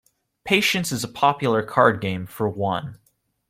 Patience is a popular card game for one